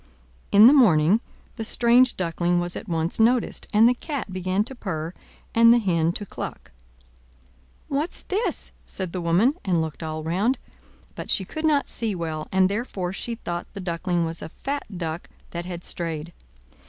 In the morning the strange Duckling was at once noticed, and the Cat began to purr and the Hen to cluck. "What's this?" said the woman, and looked all round; but she could not see well, and therefore she thought the Duckling was a fat duck that had strayed.